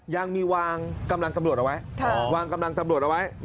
ยังมีวางกำลังตำรวจเอาไว้